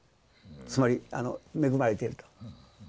つまり恵まれていると。